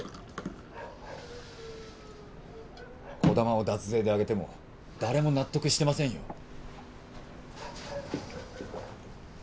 児玉を脱税であげても誰も納得してませんよ。